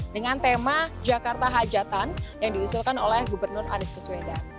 dengan tema jakarta hajatan yang diusulkan oleh gubernur anies baswedan